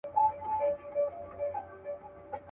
ته پاچا هغه فقیر دی بې نښانه.